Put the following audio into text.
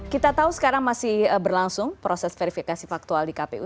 kita tahu sekarang masih berlangsung proses verifikasi faktual di kpu